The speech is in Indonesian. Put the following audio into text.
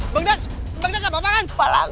bangdik bangdik apa apaan